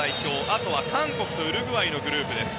あとは韓国とウルグアイのグループです。